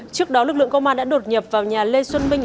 trước đó lực lượng công an đã đột nhập vào nhà lê xuân minh